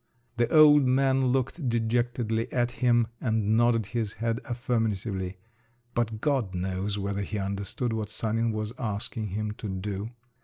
The old man looked dejectedly at him, and nodded his head affirmatively…. But God knows whether he understood what Sanin was asking him to do.